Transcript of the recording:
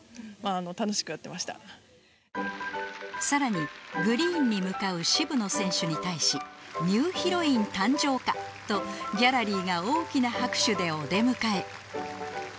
更に、グリーンに向かう渋野選手に対しニューヒロイン誕生かとギャラリーが大きな拍手でお出迎え。